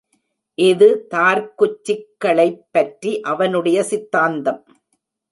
இது தார்க்குச் சிக்களை பற்றி அவனுடைய சித்தாந்தம்.